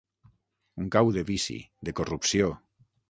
Un cau de vici, de corrupció.